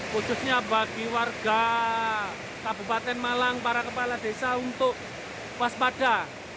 khususnya bagi warga kabupaten malang para kepala desa untuk waspada